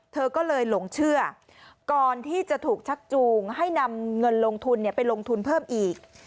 เธอก็เลยหลงเชื่อก่อนที่จะถูกชักจูงให้นำเงินลงทุนไปลงทุนเพิ่มอีก